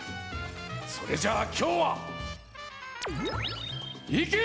それじゃあきょうはいけ！